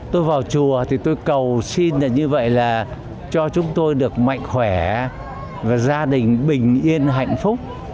tôi vào chùa thì tôi cầu xin là như vậy là cho chúng tôi được mạnh khỏe và gia đình bình yên hạnh phúc